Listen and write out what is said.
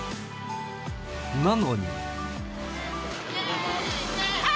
なのに。